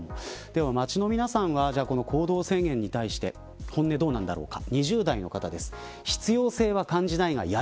では、街の皆さんはこの行動制限に対して本音、どうなんだろうか。